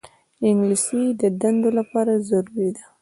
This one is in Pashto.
انګلیسي د دندو لپاره ضروري ده